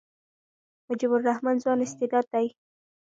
مجيب الرحمن ځوان استعداد دئ.